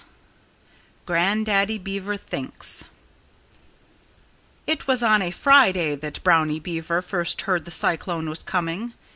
XII GRANDADDY BEAVER THINKS It was on a Friday that Brownie Beaver first heard the cyclone was coming.